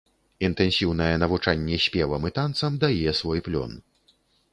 Інтэнсіўнае навучанне спевам і танцам дае свой плён.